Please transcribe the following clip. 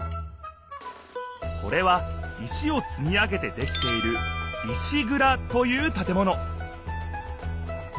これは石をつみ上げてできている石ぐらという建物